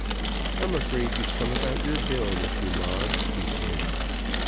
"I'm afraid you've come about your bill, Mr. Moggs," he said.